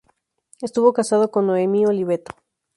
Estuvo casado con Noemí Oliveto.